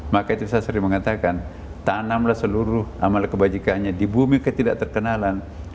maka itu saya sering mengatakan tanamlah seluruh amal kebajikannya di bumi ketidak terkenalan